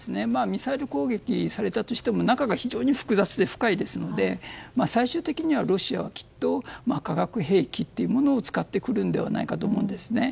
ミサイル攻撃されたとしても中が非常に複雑で深いですので最終的にはロシアはきっと化学兵器を使ってくるのではないかと思うんですね。